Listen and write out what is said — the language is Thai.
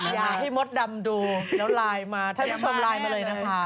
อยากให้มดดำดูแล้วไลน์มาท่านผู้ชมไลน์มาเลยนะคะ